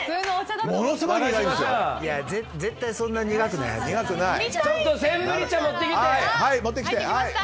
絶対そんなに苦くない！